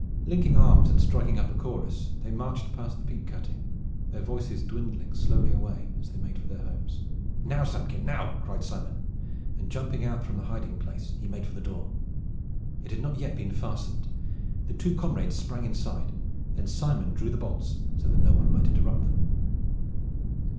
Linking arms and striking up a chorus, they marched past the peat cutting, their voices dwindling slowly away as they made for their homes. "Now, Samkin, now!" cried Simon, and jumping out from the hiding place he made for the door. It had not yet been fastened. The two comrades sprang inside. Then Simon drew the bolts so that none might interrupt them.